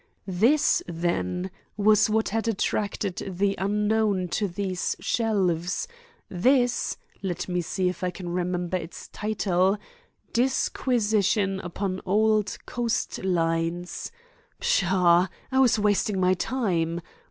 This, then, was what had attracted the unknown to these shelves, this—let me see if I can remember its title—Disquisition upon Old Coastlines. Pshaw! I was wasting my time.